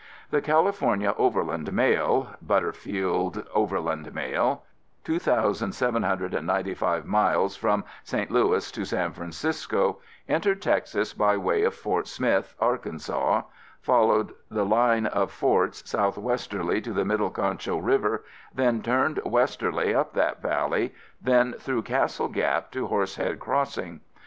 The California Overland Mail (Butterfield Overland Mail), 2,795 miles from St. Louis to San Francisco, entered Texas by way of Fort Smith, Arkansas, followed the line of forts southwesterly to the middle Concho River then turned westerly up that valley, then through Castle Gap to Horsehead Crossing.